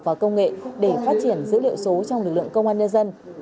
và công nghệ để phát triển dữ liệu số trong lực lượng công an nhân dân